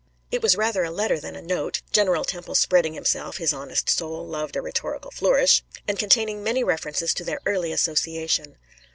It was rather a letter than a note, General Temple spreading himself his honest soul loved a rhetorical flourish and containing many references to their early association.